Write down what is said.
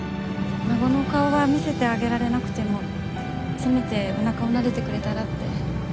孫の顔は見せてあげられなくてもせめておなかを撫でてくれたらって。